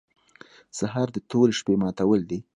سهار د تورې شپې ماتول دي.